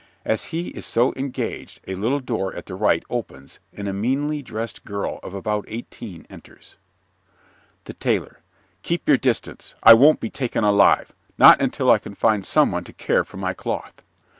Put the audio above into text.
As he is so engaged a little door at the right opens and a meanly dressed girl of about eighteen enters._) THE TAILOR Keep your distance. I won't be taken alive. Not until I can find some one to care for my cloth.